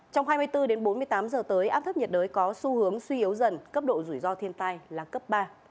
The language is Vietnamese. trong hai mươi bốn đến bốn mươi tám giờ tới áp thấp nhiệt đới có xu hướng suy yếu dần cấp độ rủi ro thiên tai là cấp ba